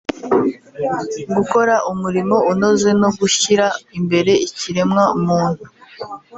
gukora umurimo unoze no gushyira imbere ikiremwa muntu